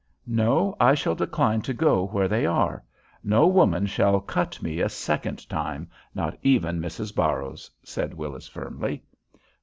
"No; I shall decline to go where they are. No woman shall cut me a second time not even Mrs. Barrows," said Willis, firmly.